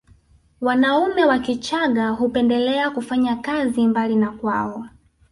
Wanaume wa Kichagga hupendelea kufanya kazi mbali na kwao